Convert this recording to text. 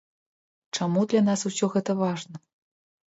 Чаму для нас ўсё гэта важна?